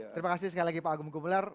terima kasih sekali lagi pak agung gumelar